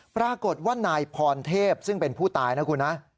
ปรากฏว่านายพรเทพซึ่งเป็นผู้ตายนะคุณนะ